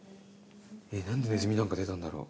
何でネズミなんか出たんだろう。